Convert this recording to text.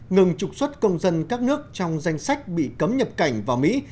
ngừng trục xuất công dân các nước trong danh sách bị cấm nhập cảnh vào mỹ